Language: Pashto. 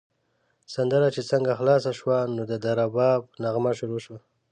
سندره چې څنګه خلاصه شوه، نو د رباب نغمه شروع شوه.